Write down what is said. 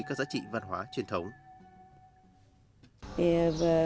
các giá trị văn hóa truyền thống